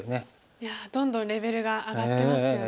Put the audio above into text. いやどんどんレベルが上がってますよね。